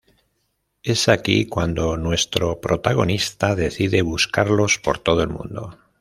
Es aquí cuando nuestro protagonista decide buscarlos por todo el mundo.